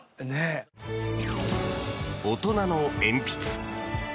大人の鉛筆。